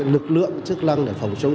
lực lượng chức năng để phòng chống